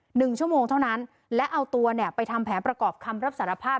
หนึ่งชั่วโมงเท่านั้นและเอาตัวเนี่ยไปทำแผนประกอบคำรับสารภาพ